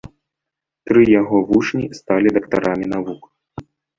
Тры яго вучні сталі дактарамі навук.